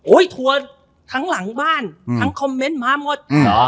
ทัวร์ทั้งหลังบ้านทั้งคอมเมนต์มาหมด